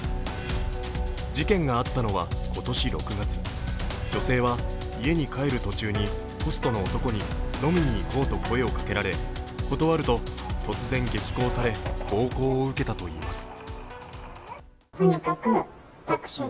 事件があったのは今年６月女性は家に帰る途中にホストの男に飲みに行こうと声をかけられ断ると突然、激高され暴行を受けたといいます。